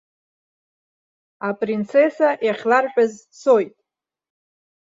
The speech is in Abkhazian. Апринцесса иахьларҳәаз дцоит.